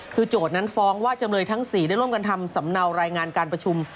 คือโจทย์นั้นฟ้องว่าจำเลยทั้ง๔ได้ร่วมกันทำสำเนารายงานการประชุม